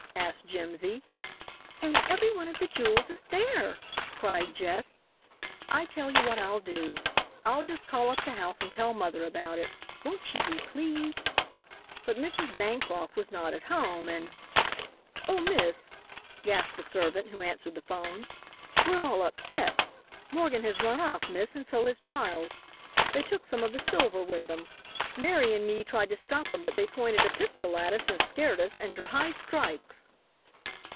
asked Jimsy. "And every one of the jewels is there," cried Jess. "I tell you what I'll do, I'll just call up the house and tell mother about it. Won't she be pleased?" But Mrs. Bancroft was not at home, and "Oh, miss," gasped the servant, who answered the 'phone, "we're all upset. Morgan has run off, miss, and so has Giles. They took some of the silver with them. Mary and me tried to stop 'em but they pointed a pistol at us and scared us inter high strikes."